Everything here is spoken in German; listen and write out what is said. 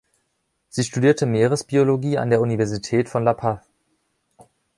Sie studierte Meeresbiologie an der Universität von La Paz.